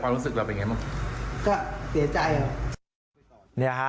ก็เสียใจครับ